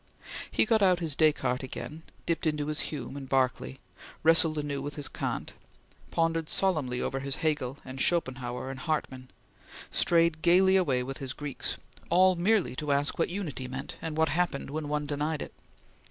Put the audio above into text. He got out his Descartes again; dipped into his Hume and Berkeley; wrestled anew with his Kant; pondered solemnly over his Hegel and Schopenhauer and Hartmann; strayed gaily away with his Greeks all merely to ask what Unity meant, and what happened when one denied it.